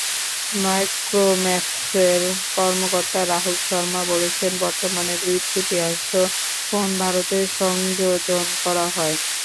মাইক্রোম্যাক্সের কর্মকর্তা রাহুল শর্মা বলেছেন, বর্তমানে দুই-তৃতীয়াংশ ফোন ভারতে সংযোজন করা হয়।